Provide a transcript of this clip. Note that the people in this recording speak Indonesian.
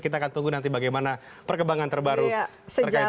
kita akan tunggu nanti bagaimana perkembangan terbaru terkait ini